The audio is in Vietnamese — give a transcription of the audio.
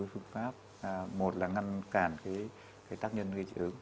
phương pháp một là ngăn cản tác nhân gây dị ứng